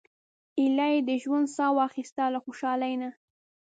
ایله یې د ژوند سا واخیسته له خوشالۍ نه.